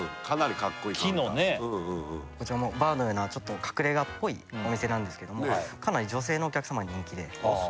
カウンター木のねこちらもうバーのような隠れがっぽいお店なんですけどもかなり女性のお客様に人気でああ